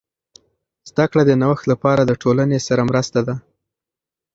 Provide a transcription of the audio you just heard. زده کړه د نوښت لپاره د ټولنې سره مرسته ده.